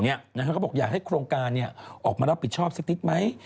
เขาบอกอยากให้โครงการออกมารับผิดชอบสักนิดไหม